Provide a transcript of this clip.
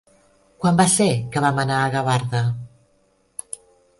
Quan va ser que vam anar a Gavarda?